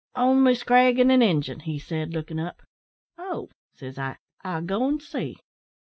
"`Only scraggin' an Injun,' he said, lookin' up. "`Oh,' says I, `I'll go and see.'